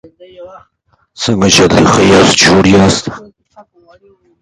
She read over her aunt's commendation of him again and again.